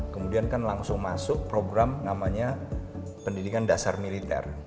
kemudian kan langsung masuk program namanya pendidikan dasar militer